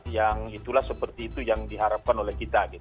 yang itulah seperti itu yang diharapkan oleh kita